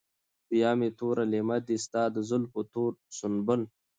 بيا مې تور لېمه دي ستا د زلفو تور سنبل